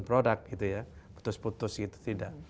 product gitu ya putus putus gitu tidak